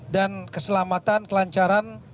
dan keselamatan kelancaran